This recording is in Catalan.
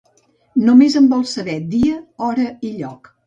Només en vol saber dia, hora i lloc.